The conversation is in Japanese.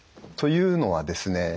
というのはですね